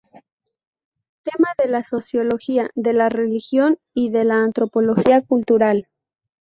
Tema de la sociología de la religión y de la antropología cultural.